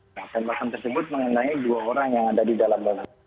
nah tembakan tersebut mengenai dua orang yang ada di dalam